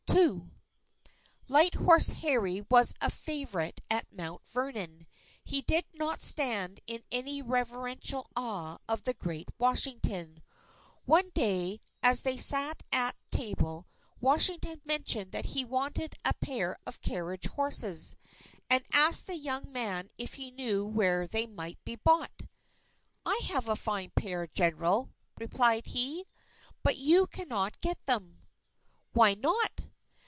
II Light Horse Harry was a favourite at Mount Vernon. He did not stand in any reverential awe of the great Washington. One day, as they sat at table, Washington mentioned that he wanted a pair of carriage horses, and asked the young man if he knew where they might be bought. "I have a fine pair, General," replied he, "but you cannot get them." "Why not?"